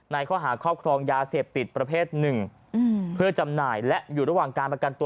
ในข้อหาครอบครองยาเสพติดประเภท๑